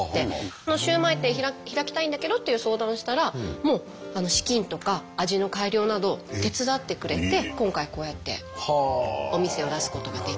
このシューマイ店開きたいんだけどっていう相談をしたら資金とか味の改良など手伝ってくれて今回こうやってお店を出すことができたっていう。